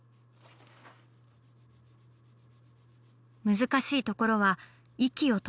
難しいところは息を止めて。